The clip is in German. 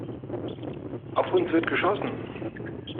Auf uns wird geschossen!